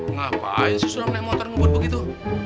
ngapain sih surah naik motor ngebuat begitu